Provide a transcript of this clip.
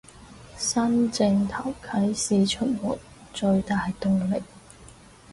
新正頭啟市出門最大動力